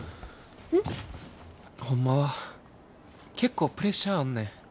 ん？ホンマは結構プレッシャーあんねん。